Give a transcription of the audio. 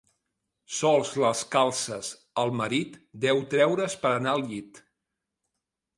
Sols les calces el marit deu treure's per anar al llit.